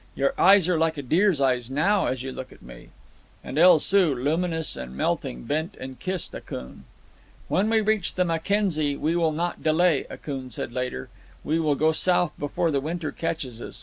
Your eyes are like a deer's eyes now as you look at me." And El Soo, luminous and melting, bent and kissed Akoon. "When we reach the Mackenzie, we will not delay," Akoon said later. "We will go south before the winter catches us.